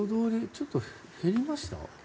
ちょっと減りましたかね。